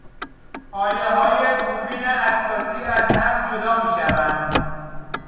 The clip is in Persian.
پایههای دوربین عکاسی از هم جدا میشوند.